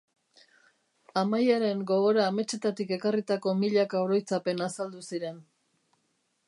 Amaiaren gogora ametsetatik ekarritako milaka oroitzapen azaldu ziren.